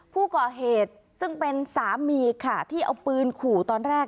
ผู้ก่อเหตุซึ่งเป็นสามีค่ะที่เอาปืนขู่ตอนแรก